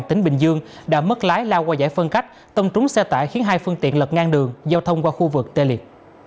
tỉnh bình dương đã mất lái lao qua giải phân cách tông trúng xe tải khiến hai phương tiện lật ngang đường giao thông qua khu vực tê liệt